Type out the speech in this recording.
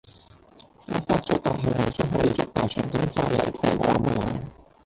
我發咗達係為咗可以捉大長今翻來陪我啊嘛!